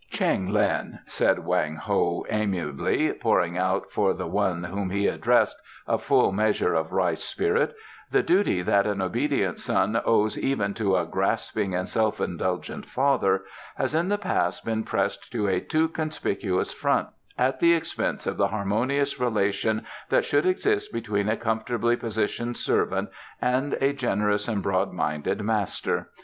"Cheng Lin," said Wang Ho amiably, pouring out for the one whom he addressed a full measure of rice spirit, "the duty that an obedient son owes even to a grasping and self indulgent father has in the past been pressed to a too conspicuous front, at the expense of the harmonious relation that should exist between a comfortably positioned servant and a generous and broad minded master.